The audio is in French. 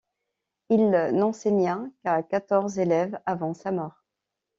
Il n'enseigna qu'à quatorze élèves avant sa mort.